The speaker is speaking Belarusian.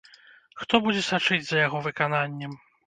Хто будзе сачыць за яго выкананнем?